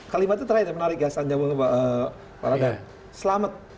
kalimat itu terakhir menarik ya